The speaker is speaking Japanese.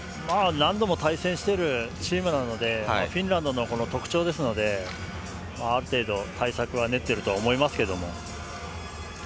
何度も対戦しているチームなのでフィンランドの特徴ですのである程度、対策は練っていると思います。